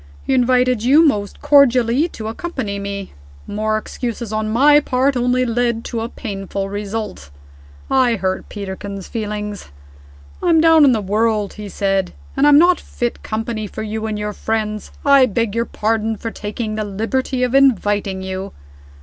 He invited you most cordially to accompany me. More excuses on my part only led to a painful result. I hurt Peterkin's feelings. 'I'm down in the world,' he said, 'and I'm not fit company for you and your friends. I beg your pardon for taking the liberty of inviting you!